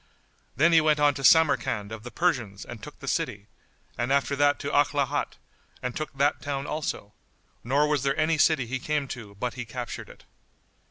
Then he went on to Samarcand of the Persians and took the city, and after that to Akhlát[FN#77] and took that town also; nor was there any city he came to but he captured it.